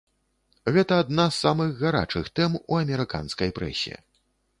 Гэта адна з самых гарачых тэм у амерыканскай прэсе.